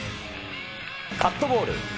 カットボール。